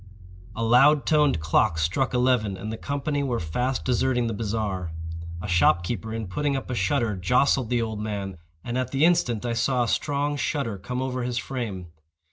A loud toned clock struck eleven, and the company were fast deserting the bazaar. A shop keeper, in putting up a shutter, jostled the old man, and at the instant I saw a strong shudder come over his frame.